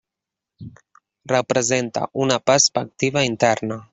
Representa una perspectiva interna.